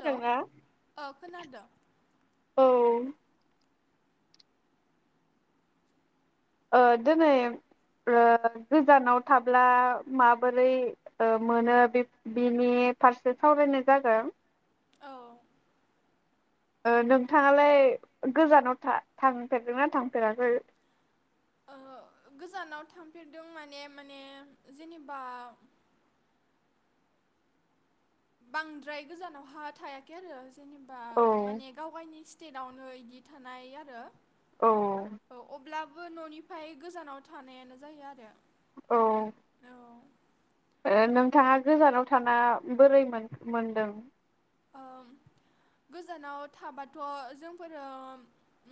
हेल' औ खोनादों औ ओह दिनै ओ‌गोजानाव थाब्ला माबोरै ओ मोनो बे-बिनि फारसे सावरायनाय जागोन। औ ओ नोंथाङालाय गोजानाव था-थांफेरगदोंना थांफेराखै? ओहो गोजानाव थांफेरदों माने माने जेनेबा बांद्राय गोजानावहा थायाखै आरो जेनेबा औ माने गाव गावनि स्टे नआवनो बिदि थानाय आरो औ ओ अब्ला बो न'निफ्राय गोजानाव थानायानो जायो आरो। औ औ ओ नोंथाङा गोजानाव थाना बोरै मोन-मोनदों? ओ गोजानाव थाबाथ' जोंफोरो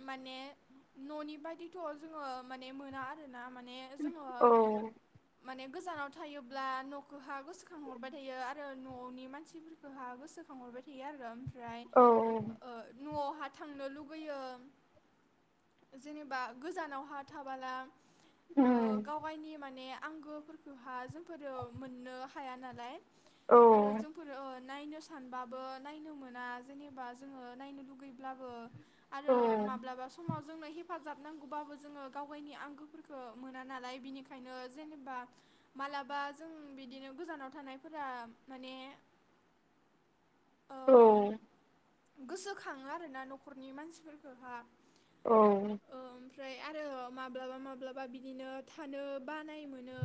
माने न'नि बायदिथ' जोङो माने मोना आरो ना माने जोङो औ माने गोजानाव थायोब्ला न'खौ हा गोसोखांहरबाय थायो आरो न'नि मानसिफोरखौ हा गोसो खांहरबाय थायो आरो फ्राय औ ओ न'आव हा थांनो लुगैयो जेनेबा गोजानाव हा थाबाला ओ उम गाव गावनि माने आंगोफोरखौहाय जों मोननो हाया नालाय। औ आरो जोंफोरो नायनो स सानबाबो नायनो मोना जेनेबा जोङो नायनो लुगैब्लाबो औ आरो माब्लाबा समाव जोंनो हफाजाब नांगौबो जोङो गाव गावनि आंगोफोरखौ मोना नालाय बिनिखायनो जेनेबा मालाबा जों बिदिनो गोजानाव थानायफोरा माने ओ औ। गोसोखाङो आरोना न'खरनि मानसिफोरफोरखौहा औ। ओमफ्राय आरो माब्लाबा माब्लाबा बिदिनो थानो बानाय मोनो।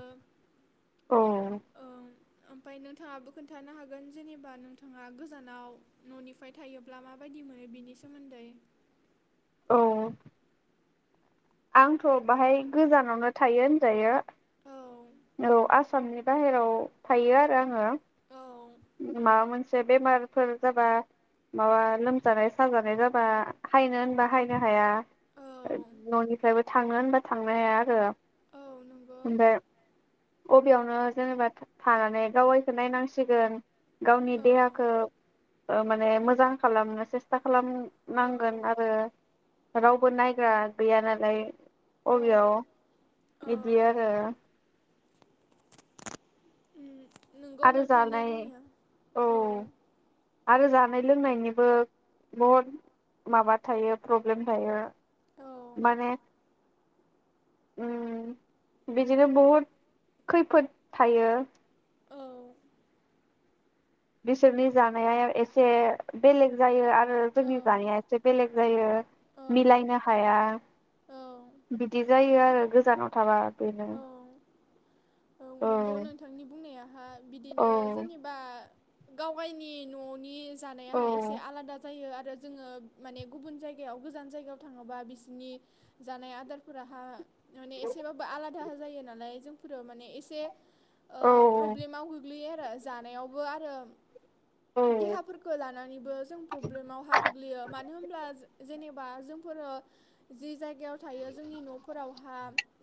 अ। ओमफाय नोंथाङाबो खोन्थानो हागोन जेनेबा नों थाङा गोजानाव न'निफाय थायोब्ला माबायदि मोनो बेनि सोमोन्दै। औ। आंथ' बाहाय गोजानावनो थायो होनजायो। औ। औ आसामनि बाहेराव थायो आरो आङो। औ [unintelligible] एसे बेमारफोर जाबा माबा लोमजानाय साजानाय जाबा हायनो होनबा हायनो हाया। औ न'निफ्रायबो। थाङो होनबा थांनो हाया आरो औ नंगौ ओमफ्राय। अबेयावनो जेनेबा थानानै गावयैखौ नायनांसिगोन गावनि औ देहाखौ ओ माने मोजां खालामनो सेस्था औ खालामनांगोन आरो रावबो नायग्रा गैया नालाय। औ अबेयाव औ बिदि आरो। उम। नंगौ आरो नोंथांनि जानाय बुंनाया औ आरो जानाय। नाय लोंनायनिबो बहुद माबा थायो प्रब्लेम थायो। औ माने। उम बिदिनो बहुद खैफोद थायो। औ। बिसोरनि जानाया एसे बेलेग जायो आरो। जोंनि जानाया एसे बेलेग जायो औ मिलायनो हाया बिदि जायो आरो। गोजानाव थाबा‌। बेनो औ औ औ नंगौ नोंथांनि बुंनायाहाय औ बिदिनो जेनेबा। गाव गायनि न'नि। औ जानायाहाय एसे आलादा जायो आरो। आरो जोङो माने गुबुन जायगायाव गोजान जायगायाव थाङोबा बिसोरनि जानाय आदारफोरा। माने एसेबाबो आलादा जायो नालाय जों आरो माने एसे औ ओ प्रब्लेमाव गोग्लैयो। आरो जानायावबो आरो। औ देहाफोरखौ लानानैबो जों प्रब्लेमावहाय गोग्लैयो मानो होमब्ला [unintelligible] बा जोंफोरो जि जायगायाव थायो जोंनि न'फोरावहा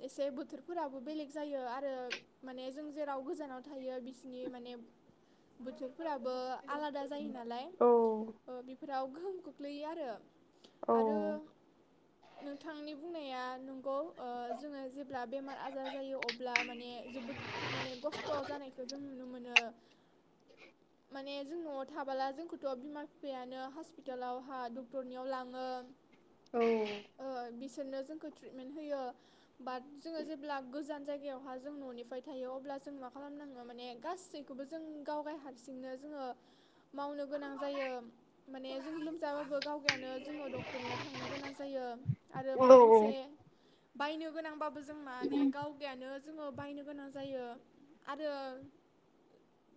एसे बोथोरफोराबो बेलेग जायो आ [unintelligible] माने जों जेराव गोजानाव थायो बिसिनि माने बोथोरफोराबो आलादा जायो नालाय औ ओ बेफोर राव गोहोम खोख्लैयो आरो। औ आरो नोंथांनि बुंनाय बुंनाया नंगौ ओ जोङो जेब्ला बेमार आजार जायो अ ब्ला माने जोबोद माने खस्थ' जानायखौ जों नुनो मोनो। माने जों न'आव थाबाला जोंखौथ' बिमा बिफायानो हस्पितालाव हा डक तरनियाव लाङो औ ओ बिसोरनो जोंखौ ट्रिटमेन्ट होयो बा जोङो जेब्ला गोजान जाय गायावहा जों न'निफ्राय थायो अब्ला जों मा खालामनाङो माने गासैखौबो जों गाव गाय हारसिंनो जोङो मावनो गोनां जायो माने जों लोमजाबाबो गावगायानो जोङो डक्टरनियाव थांनो गोनां जायो आरो माबा मोनसे बायनो गोनांबा जों माने गाव नो जोङो बायनो गोनां जायो आरो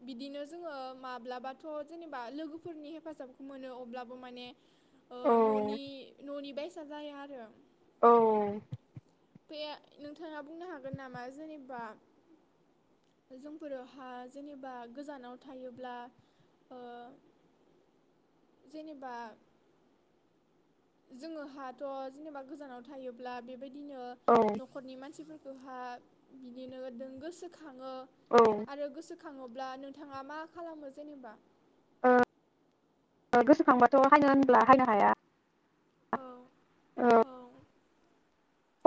बिदिनो जोङो माब्लाबाथ' जेनेबा लोगोफोरनि हेफाजाबखौ मोनो अब्लाबो माने ओ न'नि न'नि बे [unintelligible] जाया आरो। औ बे नोंथाङा बुंनो हा गोन नामा जेनेबा जोंफोरहा जेनेबा गोजानाव थायोब्ला ओ जेनेबा जोङो हाथ' जेनेबा गोजानाव थायोब्ला बेबाय दिनो औ नखरनि मानसिफोर जोंहा बिनिनो दोंगोसो खाङो औ आरो गोसो खाङोब्ला नोंथाङा मा खालामो जेनेबा? ओ गोसोखांबाथ' औ औ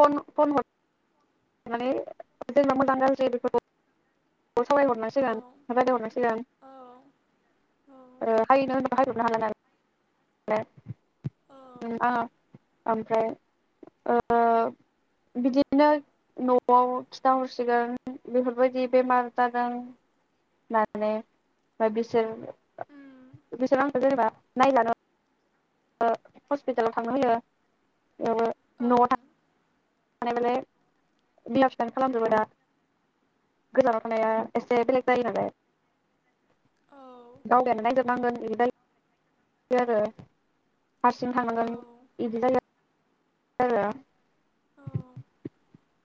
फन फन हर माने जेनेबा औ औ औ औ [inaudible] न'आव खिथाहरसिगोन बेफोरबायदि बेमार जादों माने ओमफ्राय बिसोर उम बिसोर आंखौ जेनेबा [unintelligible] [inaudible] हस्पिटालाव थांनो होयो औ [inaudible] थानाय माने [unintelligible] खालामजोबो दा गोजानाव थानाया एसे बेलेग जायो औ [inaudible] [inaudible] [inaudible] बिदि आरो हारसिं औ थानांगोन बिदि जायो। [inaudible]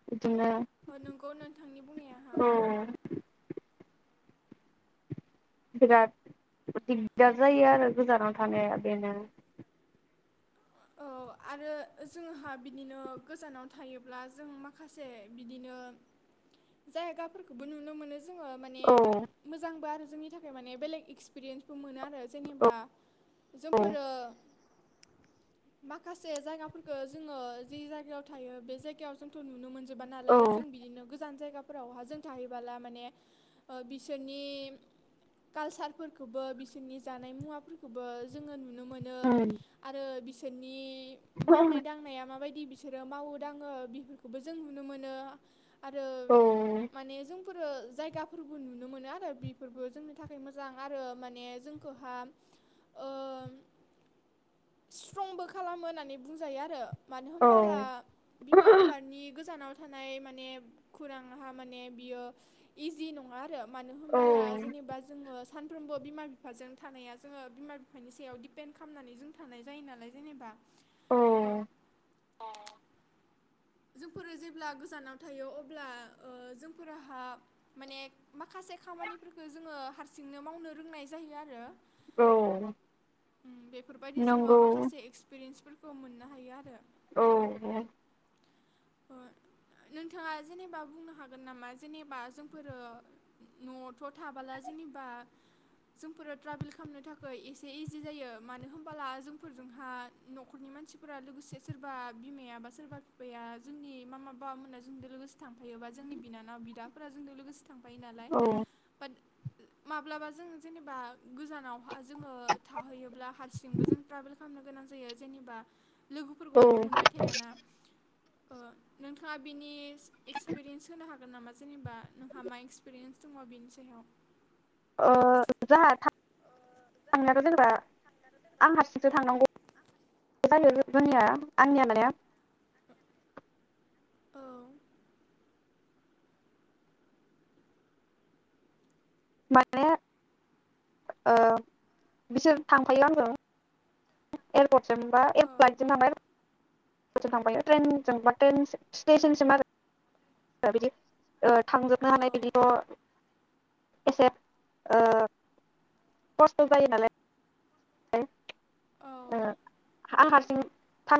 बिदिनो ओ नोंगौ नोंथां। औ बिराद दिगदार जायो आरो गोजानाव थानाया बेनो। औ आरो जोंहा बिदिनो गोजानाव थायोब्ला जों माखासे बिदिनो जायगाफोरखौबो नुनो मोनो जोङो माने औ मोजांबो आरो। जोंनि थाखाय माने बेलेग एक्सपिरियेन्स मोनो आरो औ जेनेबा औ जोंफोरो माखासे जायगाफोरखौ जोङो जि जायगायाव थायो बे जायगायाव जोंथ नुनो मोन जोबा औ नालाय जों बिदिनो गोजान जायगा फोरावहा जों थाहैबोला माने बिसोरनि कालसारफोरखौबो बिसोरनि जानाय मुवाफोरखौबो जोङो नुनो मोनो आरो [unintelligible] मावनाय दांनाया मा बायदि बिदि बिसोरो मावो दाङो बिफोरखौबो जों नुनो मोनो। औ फोरो जायगाफोरबो नुनो मोनो आरो बेफोरबो जोंनि थाखाय मोजां आरो माने जोंखौहा ओ। ट्रंबो खालामो होननानै बुंजायो आरो। मानो औ होनोमबोला बिमा बिफानि गोजानाव थानाय माने खौरांआ माने बियो इजि नङा आरो। मानो होनोमबोला औ जेनेबा जोङो सानफ्रोमबो बिमा बिफाजों थानाया जोङो बिमा बिफानि सायाव दिपेन्ड खालामनानै जों थानाय जायो नालाय। जेनेबा औ ओं जोंफोरो जेब्ला गोजानाव थायो अब्ला जोंफोरहा माने माखासे खामानिफोरखौ जोङो हारसिंनो मावनो रोंनाय जायो आरो। औ उम बे बेफोरबायदि जोङो नंगौ माखासे पेरेन्सफोरखौ मोननो हायो आरो। औ औ नोंथाङा जेनेबा बुंनो हागोन नामा जेनेबा जोंफोरो न'आवथ थाबोला जेनेबा जोंफोरो ट्राभेल खालामनो थाखाय एसे इजि जायो मानो होनबोला जोंफोरजोंहा न'खरनि मानसिफोरा लोगोसे सोरबा बिमाया बा सोरबा बिफाया जोंनि मा मा बाबामोना जोंजों लोगोसे थांफायोबा जोंनि बिनानाव बिदाफोरा जोंजों लोगोसे थांफायो नालाय औ बाट माब्लाबा जों जेनेबा गोजानाव जोङो थाहैयोब्ला हारसिंबो जों ट्रेभेल खालामनो गोनां जायो जेनेबा औ लोगोफोरखौथ' मोनबाय थायाना ओ नोंथाङा बिनि एक्सपिरियेस होनो हागो हागोन नामा जेनेबा नोंहा मा एक्सपिरियेन्स दङ बेनि सायाव ओ जोंहा थांनांयाथ' जेनेबा आं हारसिंसो थांनांगौ जायो जोंनिया आंनिया माने औ माने ओ बिसोर थांफायो आंजों [unintelligible] बा ए औ प्लाइट जों थाङो आरो जों थांबायो ट्रेनजोंबा ट्रेन स्टेसनसिम आरो [unintelligible] ओ थांजोबनो औ हानाय बिदिथ' एसे ओ खस्थ' जायो नालाय हा ओ औ आं औ हारसिं थां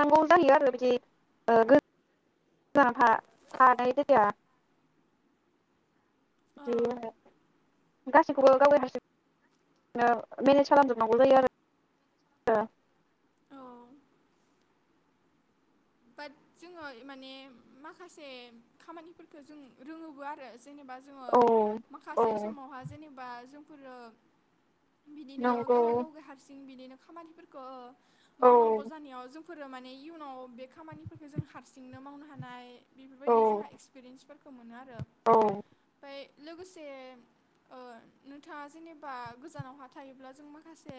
नांगौ जयो आरो बिदि ओ गो [unintelligible] [unintelligible] औ बिदि आरो गासैखौबो गावै हारसिंनो मेनेज खालामजोबनांगौ जायो आरो ओ औ बाट जोङो माने माखासे खामानिफोरखौ जों रोङोबो आरो जेनेबा जोङो औ माखासे औ समावहा जेनेबा जों फोरो बिदिनो नंगौ गावा-गावगै हारसिं बिदिनो खामानिफोरखौ औ मावनांगौ जानायाव जों फोरो माने इयुनाव बे खामानिफोरखौ जों हारसिंनो मावनो हानाय औ बेफोरबायदि जोंहा इक्सपिरियेन्सफोरखौ मोनो आरो ओमफाय लोगोसे ओ नोंथाङा जेनेबा गोजानावहा थायोब्ला जों माखासे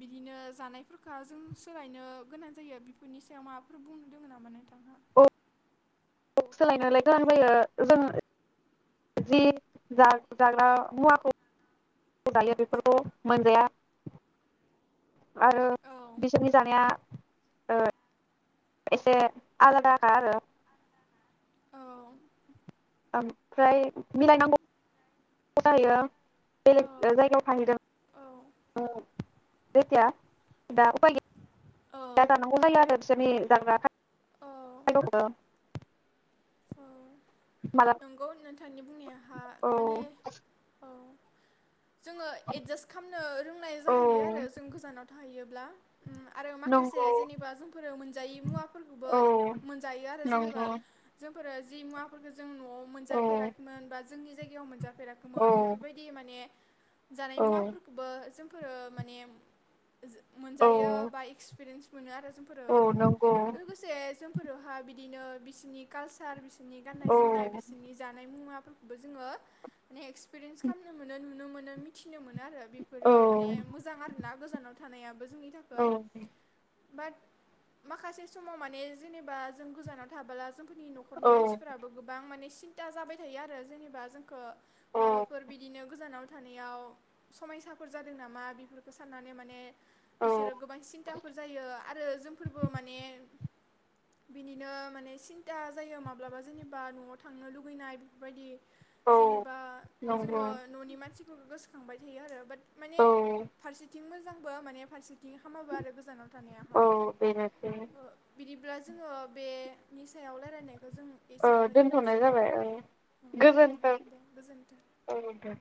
बिदिनो जानायफोरखा जों सोलायनो गोनां जायो बेफोरनि सायाव मा फोर बुंनो दोङो नामा नोंथांहा औ सोलायनोलाय गोनां जायो जों जि जाग्रा मुवाखौ जायो बेफोरखौ मोनजाया आरो औ बिसोरनि जानाया एसे ओ आलादाखा आरो औ ओमफ्राय औ मिलायनांगौ [unintelligible] बेलेग औ ओ जायगायाव थाहैदों औ ओ औ औ [unintelligible] [unintelligible] [unintelligible] [unintelligible] [unintelligible] मालाबा नंगौ नोंथांनि बुंनाय हा औ माने औ। जोङो एडजास्ट खालामनो रोंनाय औ जाहैयो आरो जों गोजानाव थाहैयो ब्ला आरो माखासे नंगौ जेनेबा जोंफोरो मोनजायै मुवाफोरखौबो औ मोनजायो आरो जेनेबा नंगौ मुवाफोरा जि मुवाफोरखौ जों न'आव औ मोनजाफेराखैमोन बा जोंनि जायगायाव औ मोनजाफेराखैमोन बेफोरबायदि माने जानाय औ मुवाफोरखौबो जों। फोर माने। मोन जायो औ बाइक्स एक्पिरियेन्स मोनो आरो। [unintelligible] औ नंगौ लोगोसे जों फोरावहा बिदिनो बिसोरनि। कालसार बिस बिसोरनि गाननाय औ जोमनाय बिसोरनि जानाय मुवा। जोङो। माने एक्सपिरियेन्स खालामनो मोनो नुनो मोनो। मिथिनो मोनो। बेफोरो औ माने मोजां आरोना गोजानाव। थानाया। जोंनि औ थाखाय। बाट माखासे समाव माने जेनेबा जों गोजानाव थाबोला जों। फोरनि नखरनि मानसिफोराबो गोबां माने सिन्था जाबाय थायो आरो जेनेबा जोंखौ औ माबाफोर बिदिनो गोजानाव थानायाव समायसाफोर जादों नामा बेफोरखौ साननानै माने। औ बिसोरो गोबां सिन्थाफोर जायो आरो जोंफोरबो माने। बिनिनो माने सिन दा जायो माब्लाबा जेनेबा न'आव थांनो लुुबैनाय बेफोरबायदि। औ जेनेबा नंगौ जोङो न'नि मानसिफोरखौ गोसो। थांबाय थायो आरो बाट माने औ फारसेथिं मोजांबो माने फारसे बिदि हामाबा आरो गोजानाव थानायहा औ बेनोसै बिदि। ब्ला जोङो बे सायाव रायनाय। खौ जों ओ एसेयावनो दोनथ'नाय दोननोसै दे। जाबाय ओ गोजोन्थों दे गोजोनथों। औ दे।